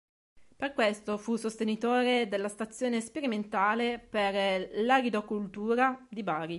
Per questo fu sostenitore della Stazione sperimentale per l'Aridocoltura di Bari.